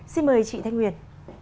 xin mời chị thanh nguyên